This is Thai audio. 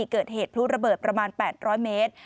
เกิดเหตุพลุระเบิดประมาณ๘๐๐เมตร